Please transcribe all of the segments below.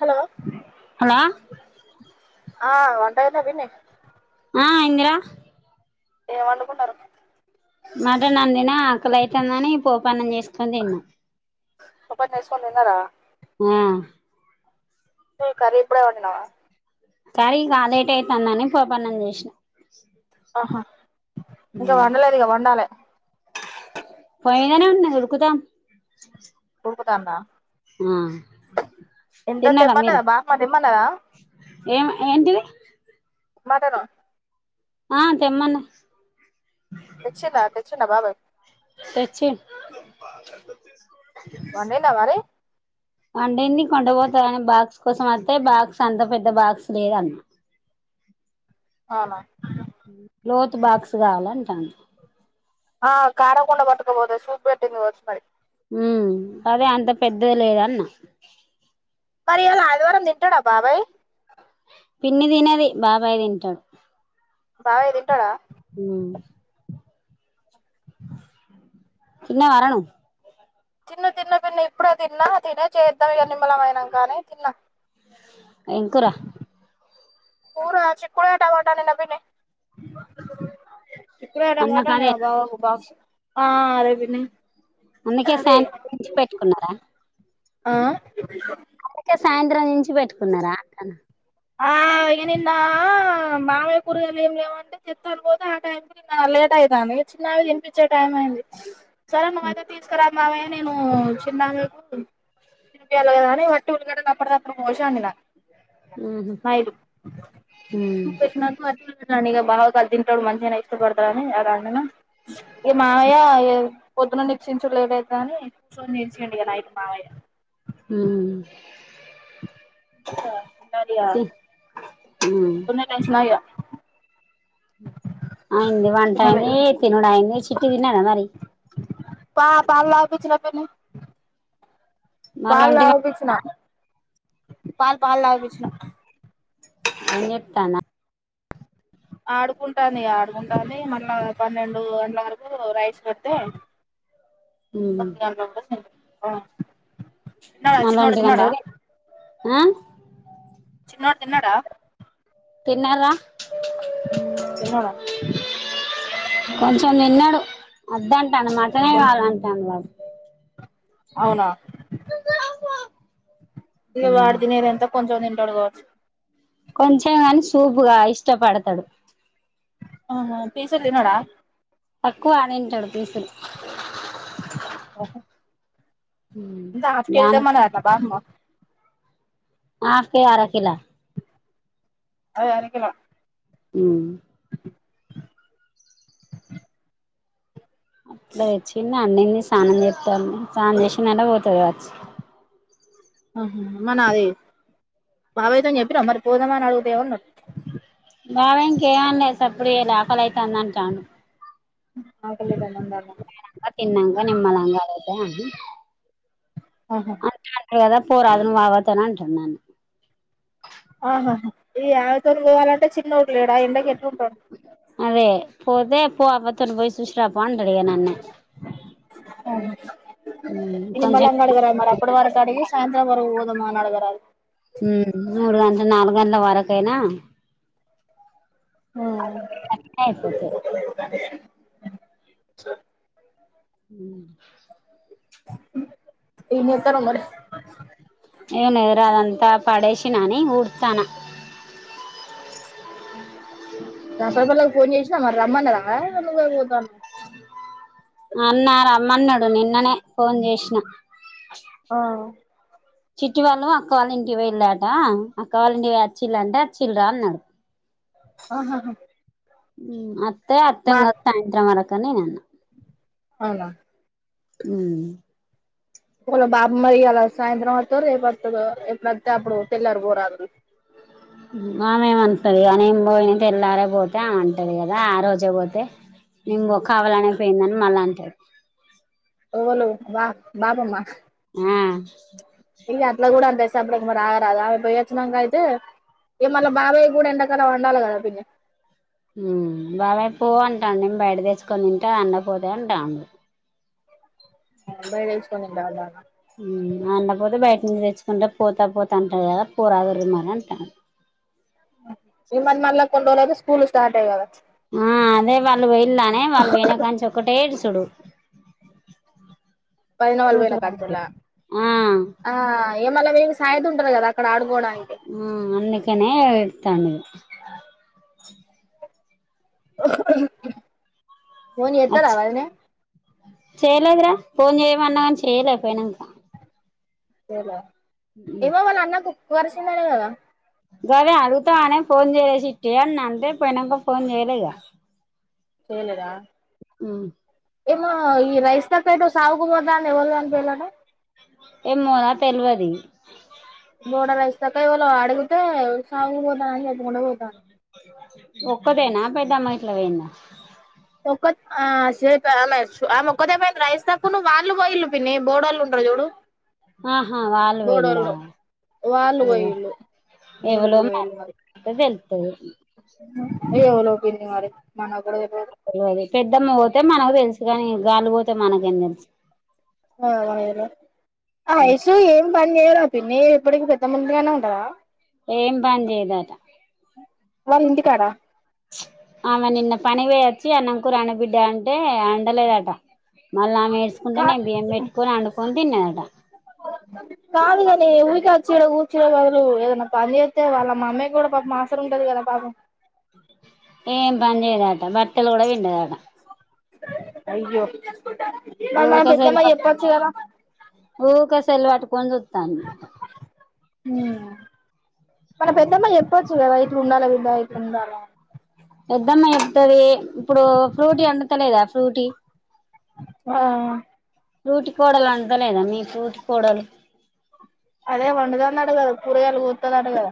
Hello hello ఆ వంట అయిపొయింది నెక్స్ట్ ఆ ఇందిరా ఏమ్ వండుకున్నారు మటన్ వండిన ఆకాలై అయితాందని పోపన్నం చేసుకు వండిన పోపోటా ఏసుకొని తిన్నారా ఆ కర్రీ ఇప్పుడే వండినావా సర ఇగా లేట్ అయితందని పోపన్నం చేసిన ఆహా ఇంక వండలే ఇగా వండాలే పొయ్యి మీదనే ఉన్నది ఉడుకుతాంది పోతందా ఆ ఎంత తిన్నారా మీరు తేమ్మన్నదా బాపంమా తేమ్మన్నాదా ఏం ఏంటిది మటను ఆ తెమ్మన్నాది తెచ్చిందా తెచ్చిండా బాబాయ్ తెచ్చిడ్ బాగ వండిళ్ల మరీ వండింది కొండ పోతని బాక్స్ కోసం వత్తె బాక్స్ అంత పెద్ద బాక్స్ లేదన్న అవునా లోతు బాక్స్ కావాలండి ఆ కార కొండ బ తీసుకోకాపోతే సూప్ పెట్టింది ఇవ్వచ్చు మరి హ్మ్ అదే అంత పెద్దది లేదన్న మరి ఇలా ఆదివారం తింటాడా బాబాయ్ పిన్ని తినది బాబాయ్ తింటాడు బాబాయ్ తింటడా తిన్నావా ర నువ్వు తిన్న తిన్న పిన్న ఇప్పుడ తిన్న తినే చేద్దాం ఇక నిమలమైనం కానీ తిన్న ఎం కూర కూర చీకుడకాయ టమాటా తిన్న పిన్ని ఇప్పుడుట కట అన్నకు నే అదే బా బాక్స్ ఆ అదే పిన్ని అందుకే అదే సాయంత్రం గుంచి పెట్టుకున్నారా ఆ అందుకే సాయంత్రం నుంచి చ్చి పెట్టుకున్నారా అంటన ఆ ఇ నిన్న మామయ్య కూరగాయాలు ఏం లేమంటే తేత అని పోతే ఆ టైంకి లేట్ అయితాంది చిన్నకి తినిపించే టైం అయింది సరే మామయ్య అయితే తీస్కారా మామయ్య నేను చిన్నాకు తినిపియాలి కదా అని వట్టి ఊర్లగడలు ఎపుడూపుడు మోశ మిల ఉహు మైలు అు ఇక బాగా కద్దింటోడు [unintelligible] మంచిగా ఇష్టపడతారుని ఇక మావయ్య పొద్దున్న నిక్షించలేదుదు అని ఫోన్ చేసిండు ఇగ నైట్ మావయ్య హ్మ్ ఉమ్ ఎన్నారన్న టైస్ [inaudible] అయింది వంట అయింది తినలేదు తినుడు అయింది చిట్టిదిన్నద మరి పా పాలు తపించిన పిన్ని మళ్ళ పాల్ ఒంటి గంట తపించిన పాల్ పాల్ తపించిన ఎం చేస్తన్నావ్ ఆడుకుంటాంది ఆడుకుంటాంది మళ్ళా పన్నెండు గంటల వరకు రైస్ పెడితే ఉమ్ తొమ్మిది గంటలు అపుడు తింటాది అ తిన్నాడా చిన్నోడు తిన్నాడా హ్మ్ చినోడు తిన్నాడా తిన్నర్ రా తిన్నాడా కొంచెం తిన్నాడు వద్దు అంట మటనే కొన్ కావాలఅంటండు వాడు అవునా [unintelligible] ఇగ వాడ ఉమ్ తినేది ఎంత కొంచెం తింటాడు కావచ్చు కొంచెం కాని సూపుగా ఇష్టపడతాడు ఆ హ పీసులు తినడా తక్కువ అనేంటాడు పీసులు ఓ దాఫకిల్తే దానికి మనాల బాగా మ మాకే అర కిలా అద అరకిల ఉ [inaudible] ప్పుడే వచ్చిండు అన్నం తీస్క్ తానం చేంత స్నానం చేసిన్నంటే ఓట్లు ఏయ్యాలే [inaudible] ఆ మ నా అది బావయితోని చెప్పినవ మరే పోదాం అని అడిగితే ఎం అన్నాడు బావయి ఇంక ఏం అనలే సప్పుడు చెయ్యాలె ఆకలైతాంది అంటాడు ఆకలై తాంది కొంచెం ఐనంకా తిన్నంక నిమ్మలంగా అడుగ్ ఏవండి ఆహా పోరాదు నువ్ అవ్వతోన్ అంటడు నన్ను ఆహా ఈ యామితూరు పోవాలంటే చిన్నోడు లేడు ఆ ఎండకి ఎట్లుంటాడు అదే పోతే పో అవ్వ తోని పొయ్యి సు కొంచెం నిమ్మల్లంగా అడుగరా మరి అప్పుడు వరకు అడిగి సాయంత్ వరక పోదమా నాడుగరాదు ఉ మూడు గంటల నాలుగు గంటల వరకయినా ఐపోతాది స ఉ ఏం చేస్తారొ మరి ఎవన్నదిరా అదంతా పడేసి నని ఊర్ సన తప్పల్ వాళ్ళకు పోని చెశ్ మ రమ్మన్నదా మరి నువ్వే పోతానవ అన్న రమ్మన్నాడు నిన్ననే ఫోన్ చేసిన ఆ చిట్టి వాళ్ళు అక్క వాల్ల ఇంటి వెళ్ళాట అక్క వాళ్ల ఇంటికి వచ్చిల్లాంట వచ్చిల్లరా అన్నాది ఆహాహా ఉ మో మా అత్యంగ సాయంత్రం వరకు కనీ నాన్న అవునా ఊ వాళ బాబమ్మ ఇయ్యాల సాయంత్రం వత్తదో రేపు వత్తదో ఎప్పుడతే అప్పుడు తెల్లారు పోరాదుర్రి ఆమేమంటది కా నింబోయిన తెల్లారే పోతే అ అంటది కదా ఆ రోజే పోతే నింబో కావాలనిపోయిందని మళ్ళీ అంటది ఓవలు వా బాబామ్ మా ఊ చెప్పడానికి మరి రాగరాదు ఆమె పోయోచ్చినాక అయితే ఇ మళ్ళీ బాబాయి కూడా ఎండాకాలాం వండాలి కదా పిన్ని బాబాయి పో అంటాండు నే బయట తెచ్చుకొని తింటే అండపోతే అంటాండు బైట తెచ్చుకొని తింటాడన అండపోతే బయట పోరాదురీ మరీ అంటాండు ఇ మ మల్లా కొన్ని రోజులు అయితే స్కూల్ స్కూల్ స్టార్టయాయి కదా ఆ అదే వాళ్ళు పోయిలానే వాళ్ళు పోయినా కాంచి ఒక్కటే ఏడుసుడు వదినవాళ్లు సూటి పోయిన కాంచల ఆ ఆ ఇగ మల సాయిత ఉంటారు కదా అక్కడ ఆడుకోవాటానికి ఉ అందుకనే ఎడ్తండు ఫోన్ చేత్తద అచ్ వదినే చేయలేదురా ఫోన్ చేయమన్న గని చేయలే పోయినాంకా చేయలే ఏమో వాళ్ళ అన్న కు కుక్క కరిచిందట కదా గదే అడుగుతా ఆనే ఫోన్ చేయవే చిట్టీ అన్న అంటే పోయినాక ఫోన్ చేయలేగా చేలేదా ఉ ఏమో ఈ రైస్ తప్పేటు సావుకుపోతంది ఎవలు చనిపోయిలాట ఏమోనా తెలువది బోడ రజితక్క ఎవలో అడుగుతే సావుక్ పోతన అని చెప్ ఒక్కదేనా పెద్దమ్మ ఇట్లా పోయిందా ఒకతే ఆ సేపు ఆమె ఒక్కతేపోయింది రైస్తక్క వాళ్ళు పోయిలు పిన్ని బోడోళ్ళు ఉంటారు చూడు ఆహా వాళ్లు వొయిల్లా బోడోళ్ళు వాళ్ళు ఉ పోయిళ్ళు ఎవలో బోడోళ్ళు పోయిళ్ళు మరి [unintelligible] తెలుత్తది ఏవలో పిన్ని మరి మన కూడా తెలువది అదే అదే పెద్దమ్మ పోతే మనకు తెలుసు కాని గాలు పోతే మనకేం తెలుసు అ వయలు ఆ వయసు ఏ ఏం పని చేయవురా పిన్ని ఎప్పుడకి పెద్దమందిడిగానే ఉంటవా ఏం పని చేయదట వాళ్ళ ఇంటికాడా ప్చ్ ఆమె నిన్న పనికి పోయివచ్చి అన్నం కూర వండు బిడ్డ అంటే వండలేదట మళ్ళ ఆమె ఏడ్చుకుంటూనే బియ్యం పెట్టుకొని వండుకొని తిన్నదట కాదు కాని ఊరికే వచ్చి ఈడ కూర్చునే బదులు ఏదైనా పనిచేత్తే వాళ్ళ మమ్మయి కూడా పాపం అవసరం ఉంటది కదా పాపం ఏం పని చేయదట బట్టలు కూడా పిండదట అయ్యో వాళ్ళ ఊకే సెల్ పెద్దమ్మ చెప్పొచ్చు కద ఊకే సెల్ పట్టుకోని చూస్ హ్మ్ వాళ్ళ పెద్దమ్మా ఎప్పుడూ చూడద్ ఉండాల విద్య అటుండాల పెద్దమ్మ వత్తది ఇప్పుడు ఫ్రూటీ వండుతలేదా ఫ్రూటీ ఆ ఊటి కోడలు అంతలేదా మీ తోటి కోడలు అదే వండదు అన్నాడు గదా కూరగాయలు కోత్తదట గద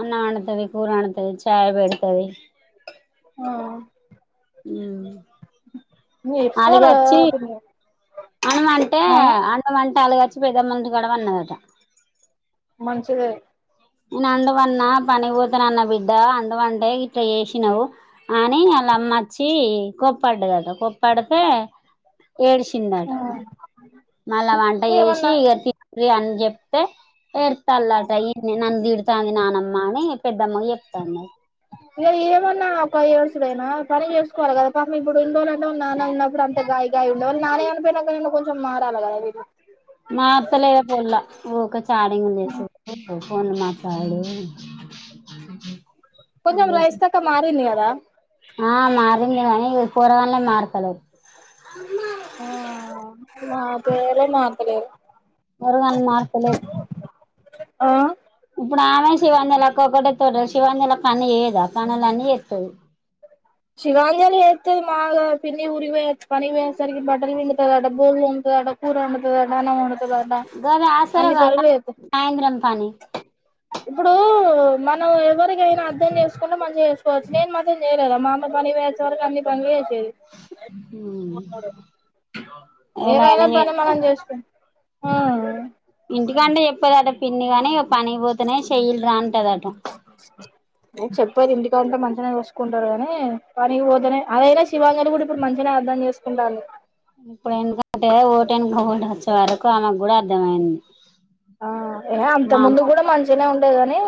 అన్నం వండుతది కూర వండుతది చాయ్ పెడతది ఆ హ్మ్ నువ్వు అలాగ చెప్పుకోవాలి కదా వచ్చి పిన్ని అన్నం అంటే ఆ అన్నం అంటే అలాగచ్చి పెద మంది గడవన్నవుకదా మంచిదే నేను ఉండవన్నా పని పోతున అన్న బిడ్డా వండవంటే ఇట్లా చేసినావు అని వాళ్ళ అమ్మ వచ్చి కొప్పడ్డదట కొప్పడితే ఏడిచిందట మళ్ళా వంట ఏమన్నా చేసి ఇక ఇగ అని చెప్తే పెడతంటద నేనంది ఈడితో అంది నానమ్మనే పెద్దమ్మ చెప్తాన్నారు ఫైవ్ ఇయర్స్ కైనా పని చేసుకోవాలి కదా పాపం ఇప్పుడు ఇన్ని రోజులు మన నాన్న ఉన్నప్పుడు అంత గాయ గాయ ఉండేవాళ్ళునాని చనిపోయినాకైన కొంచెం చం మారాలగద వీడు మారతలే ఏద పోలా ఓక సారంగ్ లేసు [unintelligible] ఫోన్లు మాట్లాడుడు కొంచెం రైస్ తాకా మారింది కద దా ఆ మారింది గానీ పోరగల్లే మారుతలే ఆ మా పేర మాతలేరు పోరగల్ మరతలేర్ ఆ ఇప్పుడు ఆమె శివాన్న లెక్క ఒకటైతడు శివన్న లెక్క అన్ని చేయదు పనులన్నీ చేస్తదీ శివాంజని చేస్తది మా పిన్నీ ఊరిగి పో పని పోయేసరికి బటలు పిండుతదాట బోల్ తోముతాదట కూర ఉండుతదాట గమే ఆసర గాద పనులు చేత్తది సాయంత్రం పని ఇప్పుడు మనం ఎవరికైనా ర్థం చేసుకుంటె మంచిగా చేసుకోవచ్చు నేను మన్ నెన్ చెయ్యలేదా మా పనికి పోయోచేవరికి అన్నీ పనులు చేసుకో ఉ ఏదైనా పని మనం చేస్తాం ఆ ఇంటికన్నె చెప్పదట పిన్ని కాని పనిపోతునే చెయ్యల్ రా అంటదట కుంటారు గానీ పనికి పోతేనే అదైనా శివాంగ కూడా ఇప్పుడు మంచిగానే అర్థం చేసుకుంటాలి ఇప్పుడు ఏంటంటే ఒటేనుక ఒకటి వచ్చే వారకి కోమాకు కూడా అర్థంమైంది ఆ అంత ముందు కూడా మంచినే ఉండేది కాని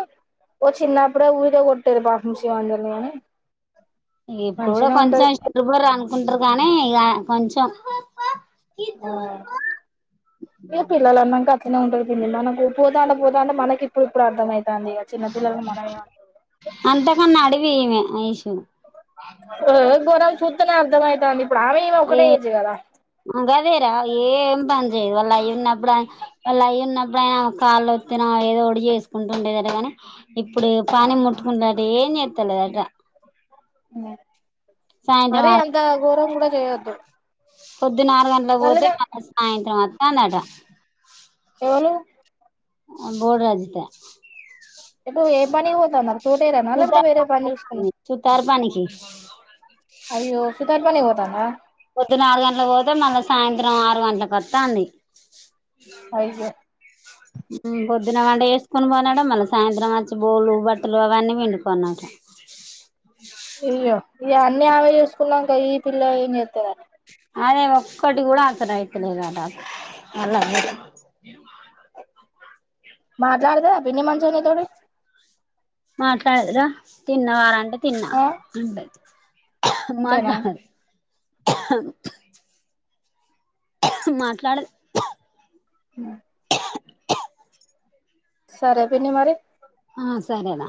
ఓ చిన్నప్పుడే ఉద పెట్టారు పాపం శివాంజలి కానీ ఇప్పుడు కూడా మంచిగానే ఉంటది కొంచెం ఇష్టలు కూడా అనుకుంటారు కానీ ఇగ కొంచెం ఆ ఏ పిల్లలన్నంక అట్లనే ఉంటారు పిల్లలన్నాక పోత అంటే పోత అంటే మనకి ఇప్పుడు ఇప్పుడు అర్థమవుతుంది ఇగ చిన్నపిల్లల్ని మనమే అంతకన్నా ఈమె ఓ బడాయి సుతనే అర్థమయతంది ఏ మంగదేరా ఏం బం దు వాళ్ళు అయి ఉన్నప్పుడు వాళ్ళు అయి ఉన్నప్పుడు ఆయినా కాళ్ళుొత్తిన ఏదో ఒకటి చేసుకుంటుండేదట కాని ఇప్పుడు పానం ముట్టుకుంటుట ఏం చేస్తలేదట సాయంత్రం మరీ ఆరు అంత గోరంగా కూడా చే యొద్దు పద్దున ఆరు గంటలకు పోతే సాయంత్రం అ కన్నడ ఎవలు బోర్ రాజిత ఎటు ఏ పని వోతన్నారు చూటే రా మల పోతేే పనుసూసుకున్నావ్ ఉస్ అయ్యో సుతార్ పనే పోతాండా పొద్దు నాలురు గంటలకు పోతే మళ్ళా సాయంత్రం ఆరు గంటలలకు వస్తా అంది ఆ అయ్యో మ్మ్ పొద్దున్న వంటే వేసుకొని పొనడం, మళ్ళీ సాయంత్రం వచ్చి బోలు బట్టలు అవన్నీ పిండుకొనడం. ఏయో ఇ అన్నీ ఆమె చేసుకున్నాంక ఈ పిల్ల ఏం చేత్తదని అదే ఒక్కటి కూడా ఆరత లే తెలవద్ ఆ టాప్ మల్ల మాట్లాడద అభిని మంజు నీ తోడు మాట్లాడదురా తిన్న వార అంటే తిన్నా ఆ అండది అంతేనా మాట్లారి అ మాట్లాడద్ మ్మ్ సరే పిన్ని మరి ఆ సరే రా